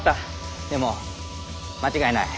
でも間違いない。